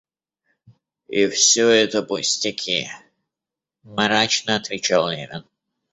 И всё это пустяки, — мрачно отвечал Левин.